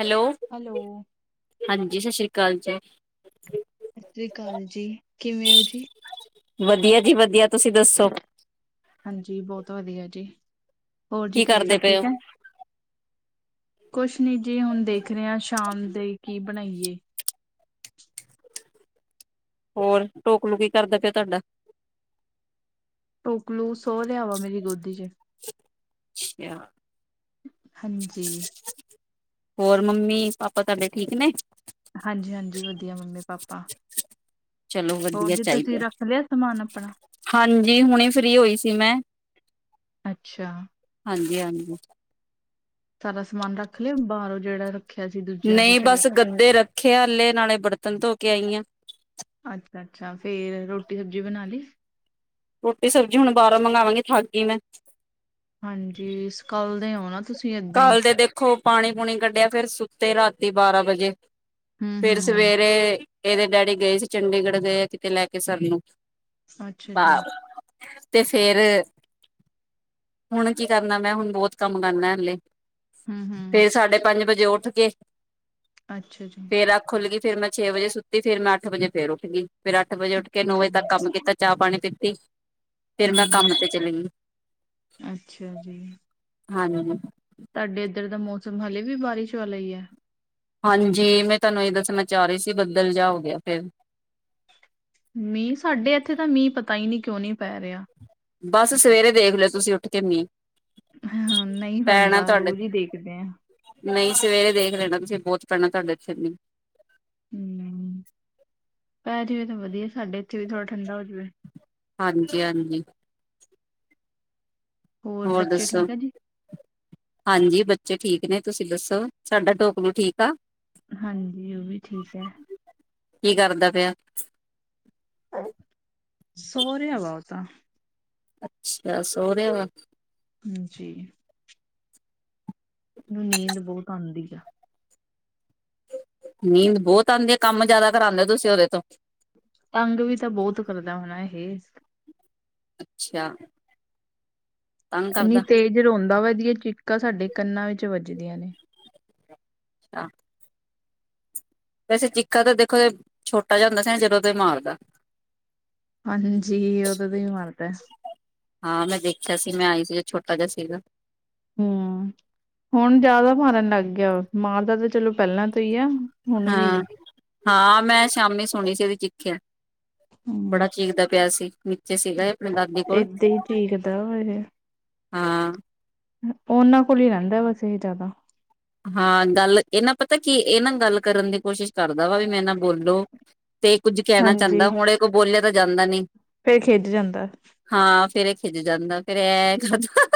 Hello hello ਹਾਂਜੀ ਸਤਿ ਸ੍ਰੀ ਅਕਾਲ ਜੀ ਸਤਿ ਸ਼੍ਰੀ ਅਕਾਲ ਜੀ ਕਿਵੇਂ ਹੋ ਜੀ ਵਧੀਆ ਜੀ ਵਧੀਆ ਤੁਸੀਂ ਦੱਸੋ ਹਾਂਜੀ ਬਹੁਤ ਵਧੀਆ ਜੀ ਹੋਰ ਜੀ ਕੀ ਘਰੇ ਕਰਦੇ ਸਭ ਪਏ ਹੋ ਠੀਕ ਹੈ? ਕੁੱਛ ਨੀ ਜੀ ਹੁਣ ਦੇਖ ਰਹੇ ਹਾਂ ਸ਼ਾਮ ਦੇ ਕੀ ਬਣਾਈਏ ਹੋਰ ਟੋਕਲੂ ਕੀ ਕਰਦਾ ਪਿਆ ਤੁਹਾਡਾ ਟੋਕਲੂ ਸੋ ਰਿਹਾ ਹੈ ਮੇਰੀ ਗੋਦੀ ਚ ਅ ਹਾਂਜੀ [unintelligible] ਹੋਰ ਮੰਮੀ ਪਾਪਾ ਤੁਹਾਡੇ ਠੀਕ ਨੇ ਹਾਂਜੀ ਹਾਂਜੀ ਵਧੀਆ ਮੰਮੀ ਪਾਪਾ ਚਲੋ ਹੋਰ ਵਧੀਆ ਜੀ ਤੁਸੀਂ ਚਾਹੀਦਾ ਰੱਖ ਲਿਆ ਸਮਾਨ ਆਪਣਾ ਹਾਂਜੀ ਹੁਣੇ ਫ੍ਰੀ ਹੋਈ ਸੀ ਮੈਂ ਅੱਛਾ ਹਾਂਜੀ ਹਾਂਜੀ ਤੁਹਾਡਾ ਸਮਾਨ ਰੱਖ ਲਿਆ ਬਾਹਰੋਂ ਜਿਹੜਾ ਰੱਖਿਆ ਸੀ ਦੂਜਿਆਂ ਦੇ ਨਹੀਂ ਘਰੇ ਬਸ ਗੱਦੇ ਰੱਖੇ ਆ ਹੱਲੇ ਨਾਲੇ ਬਰਤਨ ਧੋ ਕੇ ਆਈ ਆਂ ਅੱਛਾ ਅੱਛਾ ਫੇਰ ਰੋਟੀ ਸਬਜ਼ੀ ਬਣਾ ਲਈ ਰੋਟੀ ਸਬਜ਼ੀ ਹੁਣ ਬਾਹਰੋ ਮੰਗਾਵਾਂਗੀ ਥਕ ਗਈ ਮੈਂ ਹਾਂਜੀ ਅਸੀਂ ਕੱਲ ਦੇ ਹੁਨ ਕੱਲ ਤੇ ਦੇਖੋ ਪਾਣੀ ਪੂਣੀ ਕੱਢਿਆ ਫਿਰ ਸੁੱਤੇ ਰਾਤੀ ਬਾਰਾਂ ਵਜੇ ਹਮ ਫਿਰ ਹਮ ਸਵੇਰੇ ਇਹਦੇ ਡੈਡੀ ਗਏ ਸੀ ਚੰਡੀਗੜ੍ਹ ਗਏ ਕਿੱਤੇ ਲੈ ਕੇ ਸਾਨੂੰ ਅੱਛਾ ਜੀ ਬਾਰ ਤੇ ਫਿਰ ਹੁਣ ਕੀ ਕਰਨਾ ਮੈਂ ਹੁਣ ਬਹੁਤ ਕੰਮ ਕਰਨਾ ਹੱਲੇ ਹਮ ਹਮ ਫਿਰ ਸਾਢੇ ਪੰਜ ਵਜੇ ਉੱਠ ਕੇ ਅੱਛਾ ਜੀ ਫਿਰ ਅੱਖ ਖੁੱਲ ਗਈ ਫਿਰ ਮੈਂ ਛੇ ਵਜੇ ਸੁੱਤੀ ਫਿਰ ਮੈਂ ਅੱਠ ਵਜੇ ਫਿਰ ਉੱਠ ਗਈ ਫਿਰ ਅੱਠ ਵਜੇ ਉੱਠ ਕੇ ਨੌ ਵਜੇ ਹਮ ਤੱਕ ਕੰਮ ਕੀਤਾ ਚਾਹ ਪਾਣੀ ਪੀਤੀ ਫਿਰ ਮੈਂ ਹੂੰ, ਕੰਮ ਤੇ ਚਲੀ ਗਈ ਅੱਛਾ ਜੀ ਹਾਂ ਨਾ ਨਾ ਤੁਹਾਡੇ ਇੱਧਰ ਦਾ ਮੌਸਮ ਹਾਲੇ ਵੀ ਬਾਰਿਸ਼ ਵਾਲਾ ਹੀ ਏ ਹਾਂਜੀ ਮੈਂ ਤੁਹਾਨੂੰ ਇਹ ਦੱਸਣਾ ਚਾਹ ਰਹੀ ਸੀ ਬੱਦਲ ਜਿਆ ਹੋ ਗਿਆ ਫਿਰ ਮੀਂਹ ਸਾਡੇ ਇੱਥੇ ਤਾਂ ਮੀਂਹ ਪਤਾ ਹੀ ਨਹੀਂ ਕਿਉਂ ਨੀਂ ਪੈ ਰਿਹਾ ਬਸ ਸਵੇਰੇ ਦੇਖ ਲਿਓ ਤੁਸੀਂ ਉੱਠ ਕੇ ਮੀਂਹ ਹਂ ਨਹੀਂ ਪੈਂਦਾ ਰੋਜ਼ ਹੀ ਦੇਖਦੇ ਆਂ ਨਈ, ਸਵੇਰੇ ਦੇਖ ਲੈਣਾ ਤੁਸੀਂ ਬੋਤ ਪੈਣਾ ਤੁਹਾਡੇ ਏਥੇ ਮੀਂਹ। ਹੂੰ, ਪੈ ਜਵੇ ਤਾਂ ਵਧੀਆ ਸਾਡੇ ਏਥੇ ਵੀ ਥੋੜਾ ਠੰਡਾ ਹੋ ਜਵੇ। ਹਾਂਜੀ ਹਾਂਜੀ। ਹੋਰ ਬੱਚੇ ਦੱਸੋ? ਠੀਕ ਆ ਜੀ? ਹਾਂਜੀ, ਬੱਚੇ ਠੀਕ ਨੇ। ਤੁਸੀਂ ਦੱਸੋ, ਸਾਡਾ ਢੋਕਲੂ ਠੀਕ ਆ? ਹਾਂਜੀ, ਓ ਵੀ ਠੀਕ ਐ। ਕੀ ਕਰਦਾ ਪਿਆ? ਸੋਰਿਆ ਵਾ ਓ ਤਾਂ। ਅੱਛਾ ਸੋ ਰਿਆ ਵਾ। ਹਾਂਜੀ। ਓਨੂੰ ਨੀਂਦ ਬਹੁਤ ਆਂਦੀ ਐ। ਨੀਂਦ ਬੋਤ ਆਂਦੀ ਆ ਕੰਮ ਜ਼ਿਆਦਾ ਕਰਾਂਦੇ ਓ ਤੁਸੀਂ ਓਦੇ ਤੋਂ। ਤੰਗ ਵੀ ਤਾਂ ਬਹੁਤ ਕਰਦਾ ਹੋਨਾ ਇਹ। ਅੱਛਿਆ। ਐਨੀ ਤੇਜ਼ ਤੇ ਰੋਂਦਾ ਵਾ ਏਦੀਆਂ ਚਿੱਕਾਂ ਸਾਡੇ ਕੰਨਾਂ ਵਿੱਚ ਵੱਜਦੀਆਂ ਨੇ। ਅੱਛਾ। ਵੈਸੇ ਚਿੱਕਾ ਤਾਂ ਦੇਖੋ, ਏ ਛੋਟਾ ਜਾ ਹੁੰਦਾ ਸੀ ਜਦੋਂ ਤੋਂ ਈ ਮਾਰਦਾ। ਹਾਂਜੀ ਓਦੋਂ ਤੋਂ ਈ ਮਾਰਦਾ। ਹਾਂ, ਮੈਂ ਦੇਖਿਆ ਸੀ। ਮੈਂ ਆਈ ਸੀ, ਜਦੋਂ ਛੋਟਾ ਜਾ ਸੀਗਾ। ਹੂੰ, ਹੁਨ ਜ਼ਿਆਦਾ ਮਾਰਨ ਲੱਗ ਗਿਆ, ਮਾਰਦਾ ਤਾਂ ਚਲੋ ਪਹਿਲਾਂ ਤੋਂ ਈ ਐ। ਹਾਂ ਹਾਂ, ਮੈਂ ਸ਼ਾਮੀ ਸੁਣੀ ਸੀ ਏਦੀ ਚਿੱਕਿਆ। ਬੜਾ ਹੂੰ ਚਿੱਕਦਾ ਪਿਆ ਸੀ। ਸੀ ਏ ਆਪਣੀ ਦਾਦੀ ਕੋਲ ਏਦਾਂ ਹੀ ਚੀਕਦਾ ਵਾ ਹਾਂ। ਓ ਓਨਾਂ ਕੋਲ ਈ ਰਹਿੰਦਾ ਬਸ ਇਹ ਜ਼ਿਆਦਾ। ਹਾਂ ਗੱਲ, ਏ ਨਾ ਪਤਾ ਕੀ ਏ ਨਾ ਗੱਲ ਕਰਨ ਦੀ ਕੋਸ਼ਿਸ਼ ਕਰਦਾ ਵਾ ਕਿ ਮੇਰੇ ਨਾਲ ਬੋਲੋ। ਤੇ ਏ ਕੁਝ ਕਹਿਣਾ ਚਾਦਾ ਹੁਨ ਏਦੇ ਕੋਲੋਂ ਬੋਲਿਆ ਤਾਂ ਜਾਂਦਾ ਨੀ। ਫਿਰ ਖਿੱਝ ਜਾਂਦਾ। ਹਾਂ ਫੇਰ ਏ ਖਿਝ ਜਾਂਦਾ, ਫੇਰ ਐ ਐ‌ ਕਰਦਾ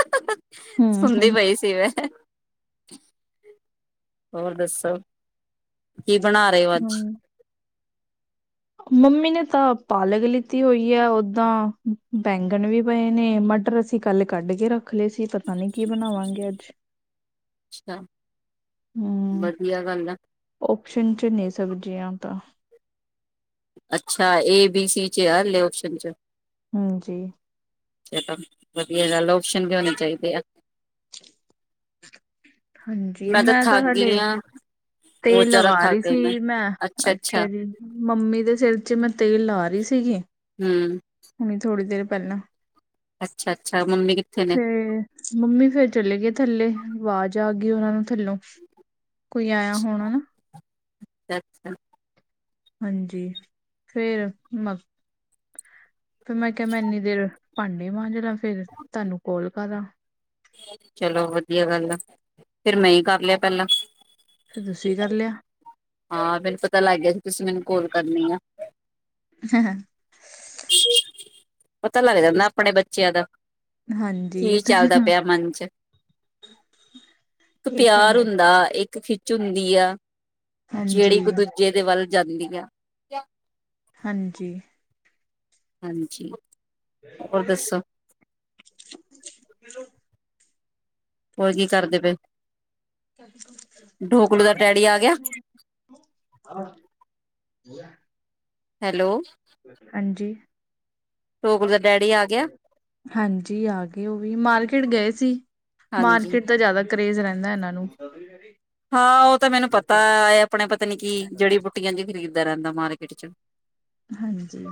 ਹੂੰ ਸੁਣਦੀ ਹੂੰ ਪਈ ਸੀ ਮੈਂ। ਹੋਰ ਦੱਸੋ, ਕੀ ਬਣਾ ਰੇ ਓ ਅੱਜ? ਹੂੰ, ਮੰਮੀ ਨੇ ਤਾਂ ਪਾਲਕ ਲਿਤੀ ਹੋਈ ਐ, ਓਦਾਂ ਬੈਂਗਣ ਵੀ ਪਏ ਨੇ ਮਟਰ ਅਸੀਂ ਕੱਲ੍ਹ ਕੱਢ ਕੇ ਰੱਖਲੇ ਸੀ, ਪਤਾ ਨੀ ਕੀ ਬਣਾਵਾਂਗੇ ਅੱਜ। ਅੱਛਾ, ਵਧੀਆ ਗੱਲ ਆ। ਆਪਸ਼ਨ ਚ ਨੇ ਸਬਜ਼ੀਆਂ ਤਾਂ। ਅੱਛਾ, ਏ ਬੀ ਸੀ ਚ ਆ, ਹਲੇ ਆਪਸ਼ਨ ਚ। ਹਾਂਜੀ, ਏ ਤਾਂ ਵਧੀਆ ਗੱਲ ਐ, ਆਪਸ਼ਨ ਵੀ ਹੋਨੇ ਚਾਈਦੇ ਆ। ਹਾਂਜੀ, ਮੈਂ ਤਾਂ ਥੱਕ ਗਈ ਹਲੇ, ਆ ਬਹੁਤ ਤੇਲ ਜ਼ਿਆਦਾ ਲਗਾ ਥੱਕ ਰੀ ਗਈ ਸੀ ਮੈਂ, ਅੱਛਾ ਜੀ। ਮੰਮੀ ਦੇ ਸਿਰ ਚ ਮੈਂ ਤੇਲ ਲਾ ਰੀ ਸੀਗੀ। ਹੂੰ, ਹੁਨੀ ਥੋੜ੍ਹੀ ਦੇਰ ਪੈਲਾਂ। ਅੱਛਾ ਅੱਛਾ, ਮੰਮੀ ਕਿੱਥੇ ਨੇ? ਫੇਰ ਮੰਮੀ ਫੇਰ ਚਲੇ ਗਏ, ਥੱਲੇ ਵਾਜ਼ ਆ ਗੀ ਓਨਾਂ ਨੂੰ ਥੱਲੋਂ ਕੋਈ ਆ ਹੋਨਾ ਨਾ। ਅੱਛਾ ਅੱਛਾ। ਹਾਂਜੀ ਫੇਰ ਮ ਫਿਰ ਮੈਂ ਕਿਹਾ ਮੈਂ ਇਨੀ ਦੇਰ ਭਾਂਡੇ ਮਾਂਜ ਲਾ ਫੇਰ ਤਾਂਨੂੰ ਕੋਲ ਕਰਾਂ ਚਲੋ ਵਧੀਆ ਗੱਲ ਹੈ, ਫਿਰ ਮੈਂ ਹੀ ਕਰ ਲਿਆ ਪਹਿਲਾਂ। ਤੁਸੀਂ ਕਰ ਲਿਆ। ਹਾਂ, ਮੈਨੂੰ ਪਤਾ ਲੱਗ ਗਿਆ ਤੁਸੀਂ ਮੈਨੂੰ ਕੋਲ ਕਰਨੀ ਆ [unintelligible] ਪਤਾ ਲੱਗ ਜਾਂਦਾ ਆਪਣੇ ਬੱਚਿਆਂ ਦਾ ਹਾਂਜੀ ਇਹ ਕੀ ਚੱਲਦਾ ਤਾਂ ਪਿਆ ਮਨ ਚ ਇੱਕ ਇਹ ਤਾਂ ਪਿਆਰ ਹੈ ਹੁੰਦਾ ਇੱਕ ਖਿ ਚ ਹੁੰਦੀ ਆ ਜਿਹੜੀ ਹਾਂਜੀ ਇੱਕ ਦੂਜੇ ਦੇ ਵੱਲ ਜਾਂਦੀ ਆ। ਹਾਂਜੀ ਹਾਂਜੀ ਹੋਰ ਦੱਸੋ। ਹੋਰ ਕੀ ਕਰਦੇ ਪਏ? ਢੋਕਲੂ ਦਾ ਡੈਡੀ ਆ ਗਿਆ। ਆਾਂ [unintelligible] ਹੈਲੋ ਹਾਂਜੀ। ਟੋਕਲੂ ਦਾ ਡੈਡੀ ਆ ਗਿਆ, ਹਾਂਜੀ ਆ ਗਏ ਉਹ ਵੀ ਮਾਰਕੀਟ ਗਏ ਸੀ ਹਾਂਜੀ ਮਾਰਕੀਟ ਤਾਂ ਜ਼ਿਆਦਾ ਕਰੇਜ਼ ਰਹਿੰਦਾ ਇਹਨਾਂ ਨੂੰ। ਹਾਂ ਉਹ ਤਾਂ ਮੈਨੂੰ ਪਤਾ ਆਪਣੇ ਪਤਾ ਨੀ ਕੀ ਜੜੀ ਬੁਟੀਆਂ ਜਿਹੀ ਖਰੀਦਦਾ ਰਹਿੰਦਾ ਮਾਰਕੀਟ ਚ' ਹਾਂਜੀ।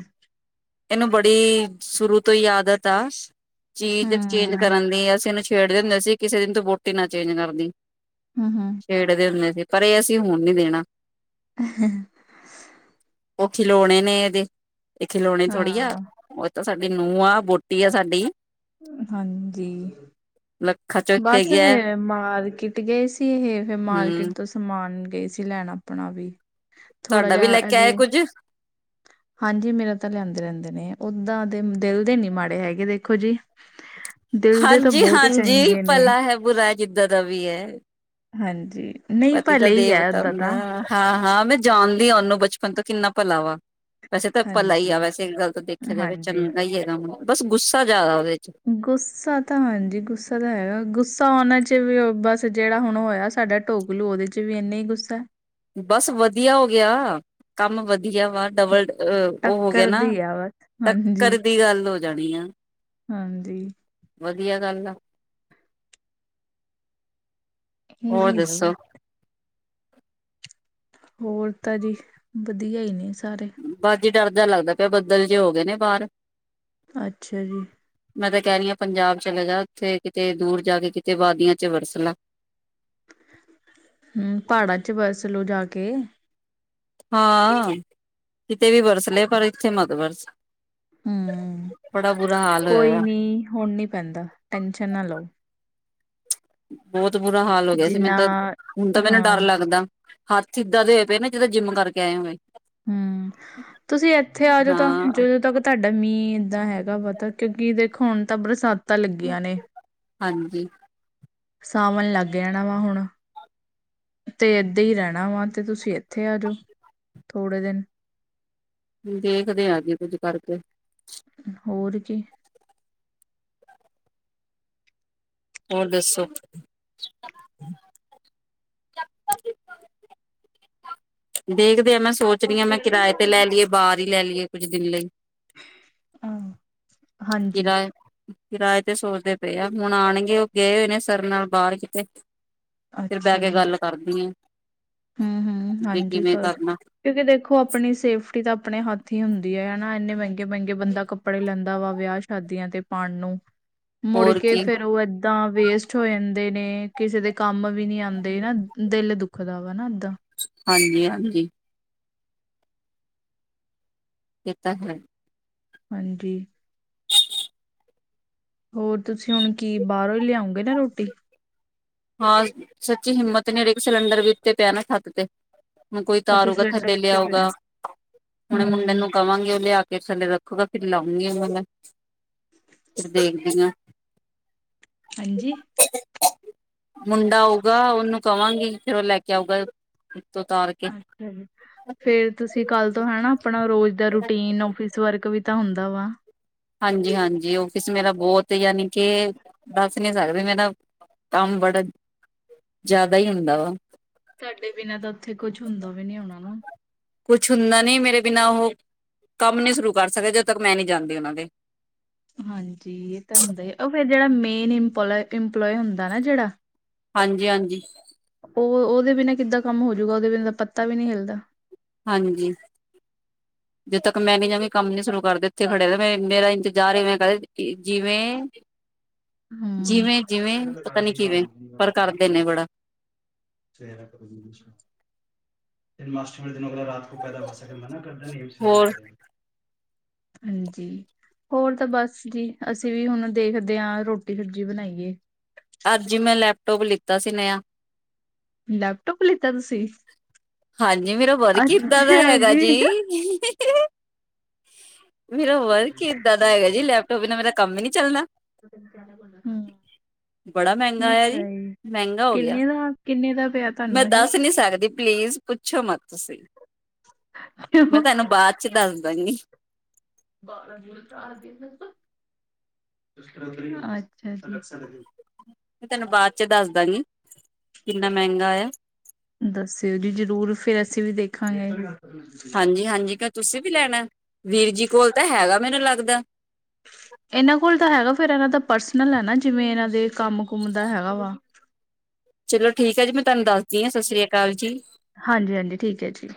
ਇਹਨੂੰ ਬੜੀ ਸ਼ੁਰੂ ਤੋਂ ਹੀ ਆਦਤ ਆ ਚੀਜ਼ ਐਕਸਚੇਂਜ ਹੂੰ, ਕਰਨ ਦੀ ਅਸੀਂ ਇਹਨੂੰ, ਛੇੜਦੇ ਹੁੰਦੇ ਸੀ ਕਿਸੇ ਦਿਨ ਤੂੰ ਵੋਟੀ ਨਾ ਚੇਂਜ ਕਰਦਈ ਹੂ ਹੂ ਛੇੜਦੇ ਹੁੰਦੇ ਸੀ ਪਰ ਇਹ ਅਸੀਂ ਹੁਣ ਨੀ ਦੇਣਾ, ਹ [unintelligible] ਉਹ ਖਿਲੋਣੇ ਨੇ ਇਹਦੇ, ਇਹ ਖਿਲੋਣੇ ਥੋੜੀ ਆ। ਹਾਂ। ਤਾਂ ਸਾਡੀ ਨੂੰਹ ਆ ਵੋਟੀ ਆ ਸਾਡੀ। ਹਾਂਜੀ ਲੱਖਾਂ ਚੁੱਕ ਕੇ ਬਸ ਗਿਆ ਫਿਰ ਮਾਰਕੀਟ ਗਏ ਸੀ ਇਹ, ਫਿਰ ਮਾਰਕੀਟ ਹਮ ਤੋਂ ਸਮਾਨ ਗਏ ਸੀ ਲੈਣ ਆਪਣਾ ਵੀ। ਥੋੜਾ ਤੁਹਾਡਾ ਵੀ ਜਿਹਾ ਲੈ ਕੇ ਆਏ ਇਹਦੇ ਕੁੱਝ। ਹਾਂਜੀ ਮੇਰਾ ਤਾਂ ਲਿਆਂਦੇ ਰਹਿੰਦੇ ਨੇ, ਓਦਾਂ ਦੇ ਦਿਲ ਦੇ ਨੀ ਮਾੜੇ ਹੈਗੇ ਵੇਖੋ ਜੀ। ਦਿਲ ਦੇ ਤਾਂ ਹਾਂਜੀ, ਬਹੁਤ ਹੀ ਹਾਂਜੀ ਚੰਗੇ ਨੇ ਭਲਾ ਹੈ ਬੁਰਾ ਹੈ ਜਿੱਦਾਂ ਦਾ ਵੀ ਹੈ। ਹਾਂਜੀ ਨਹੀਂ ਭਲੇ ਹੀ ਹੈ ਓਦਾਂ ਤਾਂ। ਹਾਂ, ਹਾਂ ਮੈਂ ਜਾਣਦੀ ਹਾਂ ਉਹਨੂੰ ਬਚਪਨ ਤੋਂ ਕਿੰਨਾ ਭਲਾ ਵਾ। ਵੈਸੇ ਤਾਂ ਭਲਾ ਹੀ ਆ ਹਾਂਜੀ। ਵੈਸੇ ਇੱਕ ਗੱਲ ਤਾਂ ਦੇਖਿਆ ਜਾਵੇ ਹਾਂਜੀ। ਚੰਗਾ ਹੈਗਾ ਬਸ ਗੁੱਸਾ ਜ਼ਿਆਦਾ ਉਹਦੇ ਚ'। ਗੁੱਸਾ ਤਾਂ ਹਾਂਜੀ ਗੁੱਸਾ ਤਾਂ ਹੈਗਾ ਗੁੱਸਾ ਉਹਨਾਂ ਚਿਰ ਬਸ ਜਿਹੜਾ ਹੁਣ ਉਹ ਹੋਇਆ ਸਾਡਾ, ਢੋਕਲੂ ਉਹਦੇ ਚ ਵੀ ਇੰਨਾ ਹੀ ਗੁੱਸਾ। ਬਸ ਵਧੀਆ ਹੋ ਗਿਆ ਕੰਮ ਵਧੀਆ ਵਾ ਡਬਲ, ਅਹ ਉਹ ਹੋ ਗਿਆ ਟੱਕਰ ਨਾ ਦੀ ਆ ਬਸ ਟੱਕਰ ਹਾਂਜੀ ਦੀ ਗੱਲ ਹੋ ਜਾਣੀ ਆ। ਹਾਂਜੀ। ਵਧੀਆ ਗੱਲ ਆ। ਹੋਰ ਇਹੀ ਹੈ ਬਸ ਦੱਸੋ। ਹੋਰ ਤਾਂ ਜੀ ਵਧੀਆ ਹੀ ਨੇ ਸਾਰੇ। ਬਸ ਜੀ ਡਰ ਜਿਹਾ ਲੱਗਦਾ ਪਿਆ ਬੱਦਲ ਜੇ ਹੋ ਗਏ ਨੇ ਬਾਹਰ। ਅੱਛਾ ਜੀ। ਮੈਂ ਤਾਂ ਕਹਿ ਰਹੀ ਹਾਂ ਪੰਜਾਬ ਚਲੇ ਜਾ ਉੱਥੇ ਕਿਤੇ ਦੂਰ ਜਾ ਕੇ ਕਿਤੇ ਵਾਦੀਆਂ ਚ ਵਰਸਲਾ। ਹੁ ਪਹਾੜਾਂ 'ਚ ਵਰਸ ਲਓ ਜਾ ਕੇ। ਹਾਂ ਕਿਥੇ ਵੀ ਬਰਸਲੇ ਪਰ ਇੱਥੇ ਮਤ ਬਰਸ। ਹਮ ਹਾਲ ਹੋਇਆ ਕੋਈ ਵਾ। ਨੀ ਹੁਣ ਨੀ ਪੈਂਦਾ 'ਟੈਨਸ਼ਨ ਨਾ ਲਓ। ਬਹੁਤ ਬੁਰਾ ਹਾਲ ਹੋ ਗਿਆ ਸੀ, ਮੈਨੂੰ ਜਿੰਨਾ ਤਾਂ ਹੁਣ ਤਾਂ ਮੈਨੂੰ ਹਾਂ ਡਰ ਲੱਗਦਾ। ਹੱਥ ਏਦਾਂ ਦੇ ਹੋਏ ਪਏ ਨਾ ਜਿੱਦਾਂ ਜਿੰਮ ਕਰਕੇ ਆਏ ਹੋਏ। ਹੂ ਤੁਸੀਂ ਇੱਥੇ ਆ ਜਾਓ ਤਾਂ ਹਾਂ ਜਦੋਂ ਤੱਕ ਤੁਹਾਡਾ ਮੀਂਹ ਇੱਦਾਂ ਹੈਗਾ ਪਤਾ ਕਿਉਂਕਿ ਦੇਖੋ ਹੁਣ ਤਾਂ ਬਰਸਾਤਾਂ ਲੱਗੀਆਂ ਨੇ। ਹਾਂਜੀ। ਸਾਵਣ ਲੱਗ ਜਾਣਾ ਵਾ ਹੁਣ। ਤੇ ਇਏਦਾਂ ਹੀ ਰਹਿਣਾ ਵਾ ਤੇ ਤੁਸੀਂ ਇੱਥੇ ਆ ਜਾਓ ਥੋੜੇ ਦਿਨ। ਦੇਖਦੇ ਆ ਜੀ ਕੁੱਝ ਕਰਕੇ। ਹੋਰ ਕੀ। ਹੋਰ ਦੱਸੋ? [inaudible] ਦੇਖਦੇ ਆ ਮੈ ਸੋਚ ਰਹੀ ਹਾਂ ਮੈਂ ਕਿਰਾਏ ਤੇ ਲੈ ਲਈਏ। ਬਾਹਰ ਹੀ ਲੈ ਲਈਏ ਕੁੱਝ ਦਿਨ ਲਈ ਅ ਹਾਂਜੀ ਕਿਰਾਏ ਕਿਰਾਏ ਤੇ ਸੋਚਦੇ ਪਏ ਆ ਹੁਣ ਆਣਗੇ ਉਹ ਗਏ ਹੋਏ ਨੇ ਸਰ ਨਾਲ ਬਾਹਰ ਕਿਤੇ ਅੱਛਾ ਜੀ। ਮੈਂ ਕਰਦੀ ਹੈ। ਹੂ ਹਾਂਜੀ ਕਰ। ਕਰਨਾ ਕਿਉਂਕਿ ਦੇਖੋ ਆਪਣੀ ਸੇਫਟੀ ਤਾਂ ਆਪਣੇ ਹੱਥ ਹੀ ਹੁੰਦੀ ਹੈ ਹਨਾ ਇੰਨੇ ਮਹਿੰਗੇ ਮਹਿੰਗੇ ਬੰਦਾ ਕੱਪੜੇ ਲੈਂਦਾ ਵਾ ਵਿਆਹ ੱਚ। ਸਦੀਆਂ ਤੇ ਪਾਉਣ, ਨੂੰ, ਮੁੜ ਹੋਰ ਕੇ ਕੀ ਫੇਰ ਉਹ ਏ ਤਾ ਵੇਸਟ ਹੋ ਜਾਂਦੇ ਨੇ ਕਿਸੇ ਦੇ ਕੰਮ ਵੀ ਨਹੀ ਆਉਂਦੇ ਨਾ ਦਿਲ ਦੁੱਖ ਵਾ। [unintelligible] ਹਾਂਜੀ, ਹਾਂਜੀ। ਕਿੱਦਾਂ ਕਰ। ਹਾਂਜੀ। ਹੋਰ ਤੁਸੀਂ ਹੁਣ ਕੀ ਬਾਹਰੋਂ ਹੀ ਲਿਆਉਗੇ ਨਾ ਰੋਟੀ? ਹਾਂ ਸੱਚੀ ਹਿੰਮਤ ਨਹੀ ਰਹੀ ਸਿਲੰਡਰ ਵੀ ਤੇ ਪਿਆ ਨਾ ਛਤ ਤੇ। ਕੋਈ ਅੱਛਾ ਉਤਾਰੂਗਾ, ਸਿਲੰਡਰ ਥੱਲੇ ਉੱਤੇ ਪਿਆ ਲਿਆਊਗਾ। ਹੁਣੇ ਮੁੰਡੇ ਹੂੰ ਨੂੰ ਕਵਾਂਗੇ ਉਹ ਲਿਆ ਕੇ ਥੱਲੇ ਰੱਖੂਗਾ ਫਰ ਲਾਉਂ ਗਈ ਮੈਂ। ਫੇਰ ਦੇਖਦੀ ਹੈ। ਹਾਂਜੀ। ਮੁੰਡਾ ਆਊਗਾ ਉਹਨੂੰ ਕਵਾਂਗੀ ਫੇਰ ਉਹ ਲੈ ਕੇ ਆਊਗਾ, ਉਤਾਰ ਕੇ। ਅੱਛਾ ਫੇਰ ਤੁਸੀਂ ਕੱਲ ਤੋਂ ਹੈਨਾ। ਆਪਣਾ ਰੋਜ਼ ਦਾ ਰੂਟੀਨ ਔਫਿਸ ਵਰਕ ਵੀ ਤਾਂ ਹੁੰਦਾ ਵਾ। ਹਾਂਜੀ, ਹਾਂਜੀ ਔਫਿਸ ਮੇਰਾ ਬਹੁਤ ਯਾਨੀ ਕਿ ਦੱਸ ਨਹੀਂ ਸਕਦੇ ਮੇਰਾ ਕੰਮ ਬੜਾ ਜ਼ਿਆਦਾ ਹੀ ਹੁੰਦਾ ਵਾ। ਤੁਹਾਡੇ ਬਿਨਾਂ ਤਾਂ ਉੱਥੇ ਕੁਛ ਹੁੰਦਾ ਵੀ ਨੀ ਹੋਣਾ ਨਾ। ਕੁਛ ਹੁੰਦਾ ਨੀ ਮੇਰੇ ਬਿਨਾਂ ਉਹ ਕੰਮ ਨੀ ਸ਼ੁਰੂ ਕਰ ਸਕਦੇ ਜਦੋਂ ਤੱਕ ਮੈਂ ਨਹੀਂ ਜਾਂਦੀ ਉਹਨਾਂ ਦੇ। ਹਾਂਜੀ ਇਹ ਤਾਂ ਹੁੰਦਾ ਉਹ ਫਿਰ ਜਿਹੜਾ ਮੇਨ ਇਪਲੋ ਇੰਪਲੋਏ ਹੁੰਦਾ ਨਾ ਜਿਹੜਾ ਹਾਂਜੀ, ਹਾਂਜੀ ਉਹ ਉਹਦੇ ਬਿਨਾਂ ਕਿੱਦਾਂ ਕੰਮ ਹੋਜੂਗਾ ਉਹਦੇ ਬਿਨਾਂ ਦਾ ਪੱਤਾ ਵੀ ਨਹੀ ਹਿਲਦਾ। ਹਾਂਜੀ। ਜਿੱਦੋਂ ਤੱਕ ਮੈਂ ਨੀ ਜਾਂਵੇ ਕੰਮ ਨੀ ਸ਼ੁਰੂ ਕਰਦੇ ਇੱਥੇ ਖੜੇ ਮੇਰਾ ਇੰਤਜ਼ਾਰ ਇਵੇ ਕਰਾ ਜਿਵੇਂ, ਹਮ ਜਿਵੇਂ ਕਿਵੇਂ ਪਤਾ ਨੀ ਕਿਵੇਂ ਪਰ ਕਰਦੇ ਨੇ ਬੜਾ, [inaudible] ਹੋਰ ਹਾਂਜੀ ਹੋਰ ਤਾਂ ਬਸ ਜੀ ਅਸੀਂ ਵੀ ਹੁਨ ਦੇਖਦੇ ਆ ਰੋਟੀ ਸਬਜ਼ੀ ਬਣਾਈਏ। ਅੱਜ ਈ ਮੈਂ ਲੈਪਟੋਪ ਲਿੱਤਾ ਸੀ ਨਯਾ, ਲੈਪਟੋਪ ਲਿੱਤਾ ਤੁਸੀਂ? ਹਾਂਜੀ ਮੇਰਾ ਵਰਕ ਈ ਏਦਾਂ ਦਾ ਹੈਗਾ ਜੀ, ਮੇਰਾ ਵਰਕ ਈ ਏਦਾਂ ਦਾ ਹੈਗਾ ਜੀ ਲੈਪਟੋਪ ਤੋ ਬਿਨਾਂ ਮੇਰਾ ਕੰਮ ਈ ਨੀ ਚਲਣਾ, [inaudible] ਬੜਾ ਮਹਿੰਗਾ ਨਹੀਂ ਆਇਆ ਜੀ, ਸਹੀ ਮਹਿੰਗਾ ਹੋ ਗਿਆ। ਕਿੰਨੇ ਦਾ ਕਿੰਨੇ ਦਾ ਪਿਆ? ਮੈਂ ਤੁਹਾਨੂੰ ਇਹ ਦੱਸ ਨੀ ਸਕਦੀ ਪਲੀਜ਼, ਪੁੱਛੋ ਮਤ ਤੁਸੀਂ ਮੈਂ ਤੁਹਾਨੂੰ ਬਾਦ ਚ ਦੱਸ ਦਾ ਗੀ। [inaudible] ਮੈਂ ਤੈਨੂੰ ਬਾਦ ਚ ਦੱਸ ਦਾਂਗੀ, ਕਿੰਨਾ ਮਹਿੰਗਾ ਆ। ਦੱਸਿਓ ਜੀ ਜਰੂਰ ਫੇਰ ਅਸੀਂ ਵੀ ਦੇਖਾਂਗੇ। ਨੀ ਹਾਂਜੀ ਕੀ ਤੁਸੀਂ ਵੀ ਲੈਣਾ, ਵੀਰ ਜੀ ਕੋਲ ਤਾਂ ਹੈਗਾ ਮੈਨੂੰ ਲੱਗਦਾ। ਇਹਨਾਂ ਕੋਲ ਤਾਂ ਹੈਗਾ ਫਿਰ ਇਹਨਾਂ ਦਾ ਪਰਸਨਲ ਐ ਨਾ ਜਿਵੇਂ ਇਹਨਾਂ ਦੇ ਕੰਮ ਕੁਮ ਦਾ ਹੈਗਾ ਵਾ। ਚਲੋ ਠੀਕ ਐ ਜੀ ਮੈਂ ਤੁਹਾਨੂੰ ਦੱਸਦੀ ਆ ਸਤਿ ਸ੍ਰੀ ਅਕਾਲ ਜੀ। ਹਾਂਜੀ ਹਾਂਜੀ ਠੀਕ ਐ ਜੀ,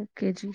ਓਕੇ ਜੀ।